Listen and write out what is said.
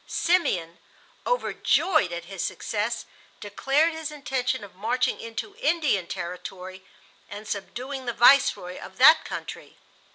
Simeon, overjoyed at his success, declared his intention of marching into Indian territory and subduing the Viceroy of that country.